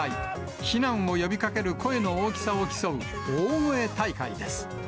避難を呼びかける声の大きさを競う大声大会です。